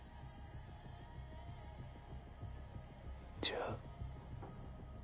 じゃあ。